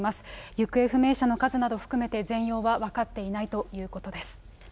行方不明者の数など含めて全容は分かっていないということです。